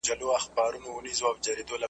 زړه به دي سوړ سي قحطی وهلی .